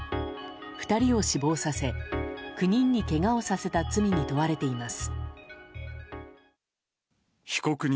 ２人を死亡させ、９人にけがをさせた罪に問われています。